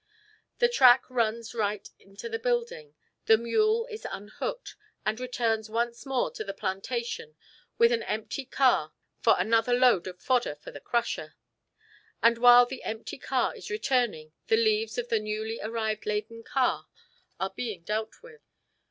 The track runs right into the building, the mule is unhooked, and returns once more to the plantation with an empty car for another load of fodder for the crusher. And while the empty car is returning the leaves of the newly arrived laden car are being dealt with.